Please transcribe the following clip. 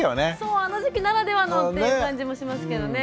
あの時期ならではのっていう感じもしますけどね。